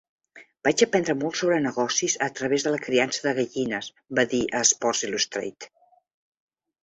"Vaig aprendre molt sobre negocis a través de la criança de gallines", va dir a "Sports Illustrated".